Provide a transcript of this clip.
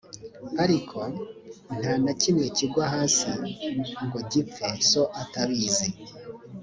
ariko nta na kimwe kigwa hasi ngo gipfe so atabizi